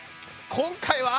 今回は。